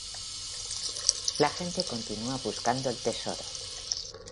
La gente continúa buscando el tesoro.